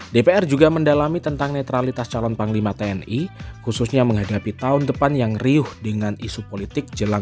dpr juga mendalami tentang netralitas calon panglima tni khususnya menghadapi tahun depan yang riuh dengan isu politik jelang